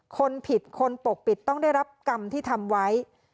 คนผิดคนปกปิดต้องได้รับกรรมที่ทำไว้